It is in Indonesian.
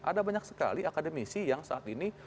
ada banyak sekali akademisi yang saat ini